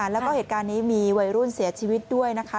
แล้วก็เหตุการณ์นี้มีวัยรุ่นเสียชีวิตด้วยนะคะ